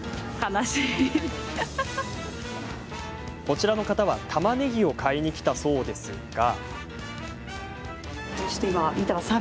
こちらの方は、たまねぎを買いに来たそうですが。